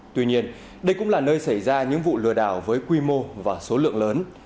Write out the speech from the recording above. tuy nhiên đây cũng là nơi xảy ra những vụ lừa đảo với quy mô và số lượng lớn